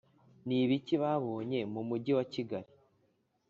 ni ibiki babonye mu mujyi wa kigali?